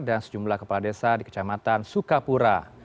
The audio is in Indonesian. dan sejumlah kepala desa di kecamatan sukapura